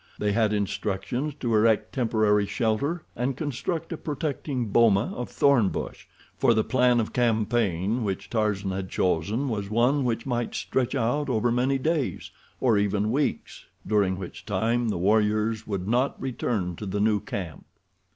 They had instructions to erect temporary shelter and construct a protecting boma of thorn bush; for the plan of campaign which Tarzan had chosen was one which might stretch out over many days, or even weeks, during which time the warriors would not return to the new camp.